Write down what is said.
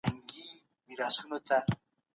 د علم رښتینی ماهیت خلکو ته روښانه سوی وو.